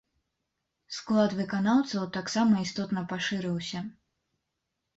Склад выканаўцаў таксама істотна пашырыўся.